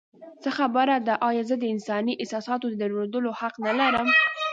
څه خبره ده؟ ایا زه د انساني احساساتو د درلودو حق نه لرم؟